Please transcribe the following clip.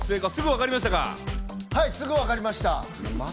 すぐ分かりました。